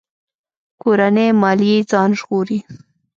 کورنۍ ماليې ځان ژغوري.